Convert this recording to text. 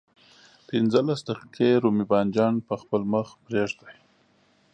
پنځلس دقيقې رومي بانجان په خپل مخ پرېږدئ.